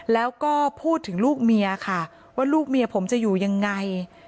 แล้วก็พูดถึงลูกเมียค่ะว่าลูกเมียผมจะอยู่ยังไง